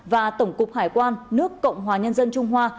và tổng cục hải quan nước cộng hòa nhân dân trung hoa